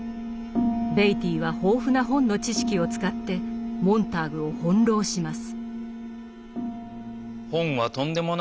ベイティーは豊富な本の知識を使ってモンターグを翻弄します。